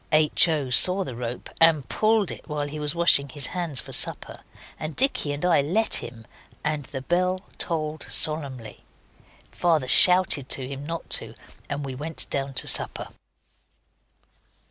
H. O. saw the rope and pulled it while he was washing his hands for supper, and Dicky and I let him, and the bell tolled solemnly. Father shouted to him not to, and we went down to supper.